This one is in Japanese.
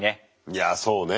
いやあそうね。